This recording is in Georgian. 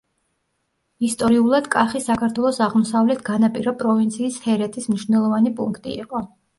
ისტორიულად კახი საქართველოს აღმოსავლეთ განაპირა პროვინციის ჰერეთის მნიშვნელოვანი პუნქტი იყო.